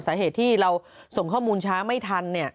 สาเหตุที่เราส่งข้อมูลช้าไม่ทัน